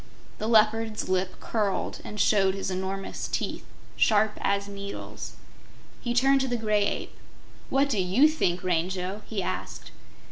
The Leopard's lip curled and showed his enormous teeth, sharp as needles. He turned to the Gray Ape. "What do YOU think, Rango?" he asked.